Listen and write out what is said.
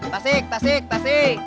tasik tasik tasik